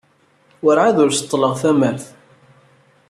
Werɛad ur seḍḍleɣ ara tamart.